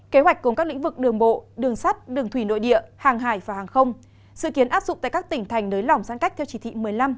kế hoạch cùng các lĩnh vực đường bộ đường sắt đường thủy nội địa hàng hải và hàng không sự kiến áp dụng tại các tỉnh thành nới lỏng sáng cách theo chỉ thị một mươi năm một mươi chín